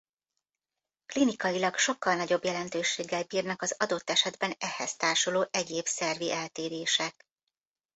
Klinikailag sokkal nagyobb jelentőséggel bírnak az adott esetben ehhez társuló egyéb szervi eltérések.